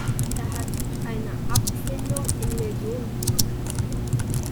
Er hat eine Abfindung in Millionenhöhe kassiert.